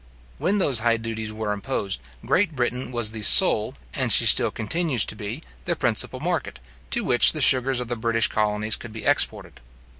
When those high duties were imposed, Great Britain was the sole, and she still continues to be, the principal market, to which the sugars of the British colonies could be exported.